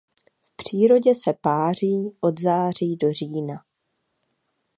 V přírodě se páří od září do října.